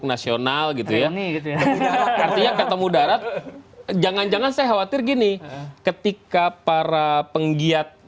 nasional gitu ya artinya ketemu darat jangan jangan saya khawatir gini ketika para penggiat